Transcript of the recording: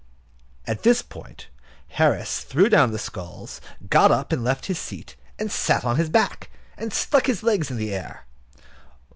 At this point Harris threw away the sculls, got up and left his seat, and sat on his back, and stuck his legs in the air.